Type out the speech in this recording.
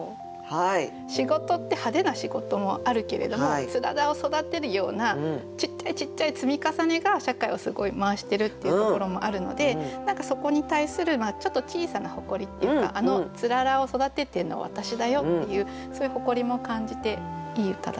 仕事って派手な仕事もあるけれどもつららを育てるようなちっちゃいちっちゃい積み重ねが社会をすごい回してるっていうところもあるので何かそこに対するちょっと小さな誇りっていうか「あのつららを育ててんのは私だよ」っていうそういう誇りも感じていい歌だと思います。